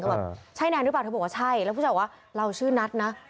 แบบใช่แนนหรือเปล่าเธอบอกว่าใช่แล้วผู้ชายบอกว่าเราชื่อนัทนะ